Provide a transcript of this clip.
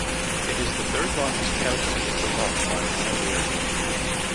It is the third-largest county in Vermont by land area.